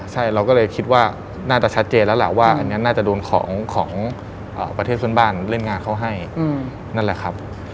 ใช่เราก็เลยคิดว่าน่าจะชัดเจนแล้วล่ะว่าอันนี้น่าจะโดนของประเทศเพื่อนบ้านเล่นงานเขาให้นั่นแหละครับ